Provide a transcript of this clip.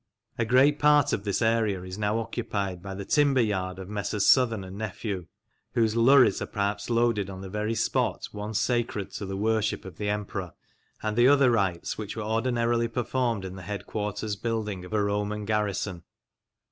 A great part of this area is now occupied by the timber yard of Messrs. Southern and Nephew, whose lurries are perhaps loaded on the very spot once sacred to the worship of the Emperor and the other rites which were ordinarily performed in the headquarters building of a Roman garrison.